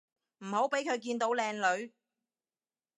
唔好畀佢見到靚女